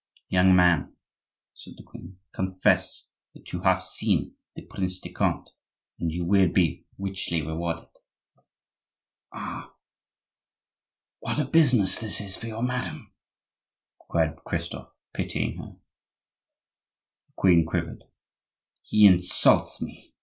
"Young man," said the queen, "confess that you have seen the Prince de Conde, and you will be richly rewarded." "Ah! what a business this is for you, madame!" cried Christophe, pitying her. The queen quivered. "He insults me!"